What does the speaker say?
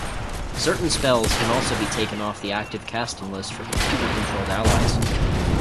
Certain spells can also be taken off the active casting list for computer-controlled allies.